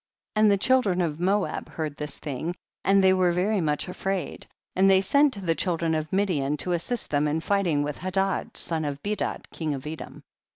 7. And the children of Moab heard this thing, and they were very much afraid, and they sent to the children of Midian to assist them in fighting with Hadad, son of Bedad, king of Edom.